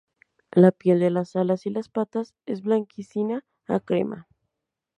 La piel de las alas y las patas es blanquecina a crema.